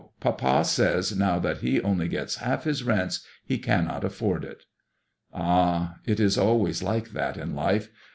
Papa says now that he only gets half his rents, he cannot afford it." '^ Ah I it is always like that in life.